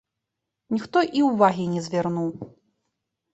Ніхто і ўвагі не звярнуў.